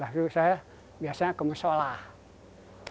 lalu saya biasanya kemusyolah